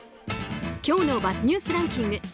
今日のＢｕｚｚニュースランキング。